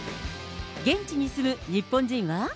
現地に住む日本人は。